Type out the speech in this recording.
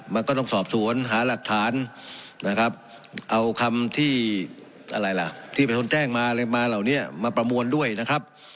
มันก็ต้องสอบสวนหาหลักฐานเอาคำที่ผู้ชมแจ้งมามาเหล่านี้มาประมวลด้วยนะครับ